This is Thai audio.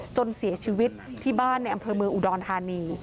จนเสียชีวิตที่บ้านในอำเภอเมืองอุดรธานี